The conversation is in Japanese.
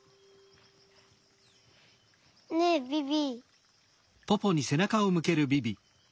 ねえビビ。